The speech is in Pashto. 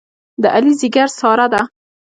د علي ځېګر ساره ده.